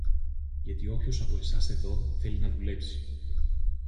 γιατί όποιος από σας εδώ θέλει να δουλέψει